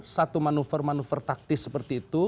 satu manuver manuver taktis seperti itu